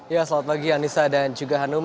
ya selamat pagi anissa dan juga hanum